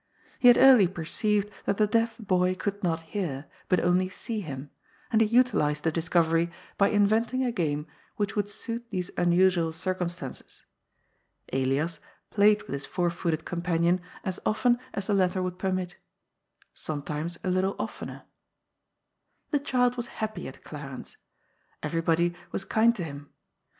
He had early perceived that the deaf boy could not hear, but only see him, and he utilized the discovery by inventing a game which would suit these unusual circumstances. Elias played with his four footed companion as often as the latter would permit Sometimes a little of tener. The child was happy at Glarens. Everybody was kind to him.